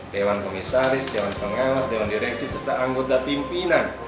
dewan komisaris dewan pengawas dewan direksi serta anggota pimpinan